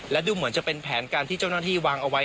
และดูเหมือนจะเป็นแผนการที่เจ้าหน้าที่วางเอาไว้